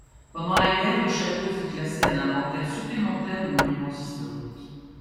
Pendant la guerre, le château fut classé à l’inventaire supplémentaire des monuments historiques.